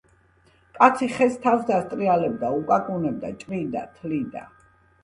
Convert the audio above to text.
კაცი ხეს თავს დასტრიალებდა, უკაკუნებდა, ჭრიდა, თლიდა: